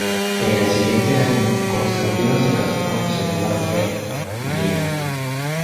En el siguiente año, Constantino se casó con su segunda mujer María.